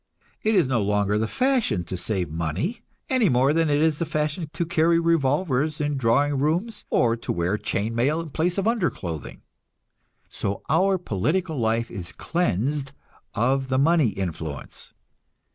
It is no longer the fashion to save money any more than it is the fashion to carry revolvers in drawing rooms or to wear chain mail in place of underclothing. So our political life is cleansed of the money influence.